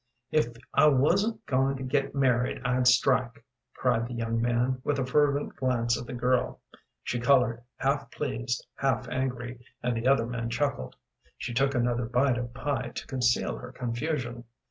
"If I wasn't going to get married I'd strike," cried the young man, with a fervent glance at the girl. She colored, half pleased, half angry, and the other men chuckled. She took another bite of pie to conceal her confusion.